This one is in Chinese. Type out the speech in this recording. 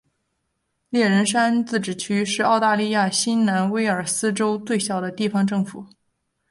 猎人山自治市是澳大利亚新南威尔斯州最小的地方政府。